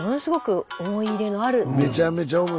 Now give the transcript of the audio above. めちゃめちゃある。